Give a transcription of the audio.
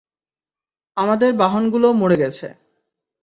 আমাদের বাহনগুলো মরে গেছে।